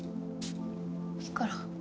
いいから。